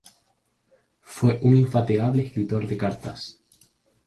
Fue un infatigable escritor de cartas.